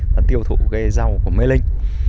và tiêu thụ cái rau của mê linh